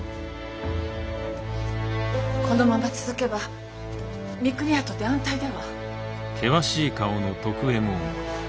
このまま続けば三国屋とて安泰では。